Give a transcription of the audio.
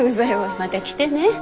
また来てね。